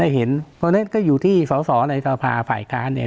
ได้เห็นตรงนั้นก็อยู่ที่สลสลในสภาฝ่ายการเนี้ย